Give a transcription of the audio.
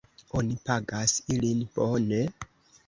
Oni pagas ilin bone?